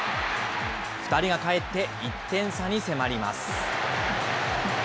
２人がかえって１点差に迫ります。